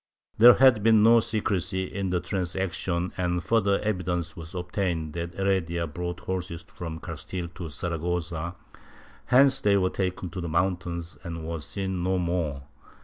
There had been no secrecy in the transaction and further evidence was obtained that Heredia brought horses from Castile to Saragossa, whence they were taken to the mountains and were seen no more.